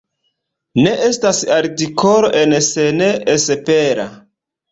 Ne estas artikolo en Sen:esepera.